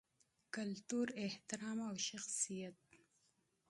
کلتور، احترام او شخصیت